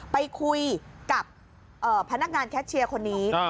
ไปคุยกับพนักงานแคชเชียร์คนนี้